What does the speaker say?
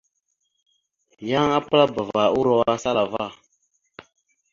Yan apəlabava uro asala ava.